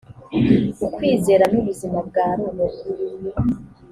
ukwizera n ubuzima bwa roho